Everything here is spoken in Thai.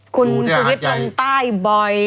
คุณสวิตรังตาอีบบ่อย